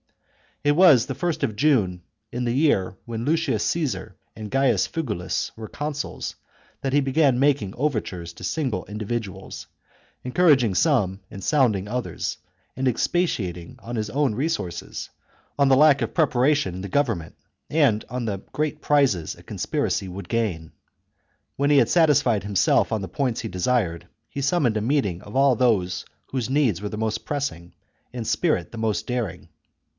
It was about the first of June in the year when chap. XVII Lucius Caesar and Gaius Figulus were consuls that he 14 THE CONSPIRACY OF CATILINE. CHAP, began making overtures to single individuals, en couraging some and sounding others, and expatiating on his own resources, on the lack of preparation in the government, and on the great prizes a conspiracy would gain. When he had satisfied himself on the points he desired, he summoned a meeting of all whose needs were the most pressing, and spirit the most daring.